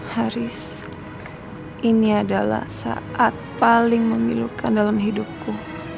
haris ini adalah saat paling memilukan dalam hidupku